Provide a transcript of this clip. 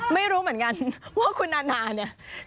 ไม่รู้เหมือนกันว่าคุณนานาเนี่ย